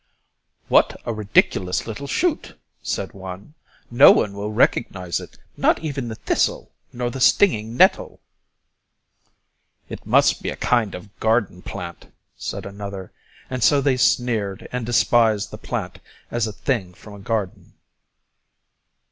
"What a ridiculous little shoot!" said one. "No one will recognize it; not even the thistle nor the stinging nettle." "It must be a kind of garden plant," said another; and so they sneered and despised the plant as a thing from a garden.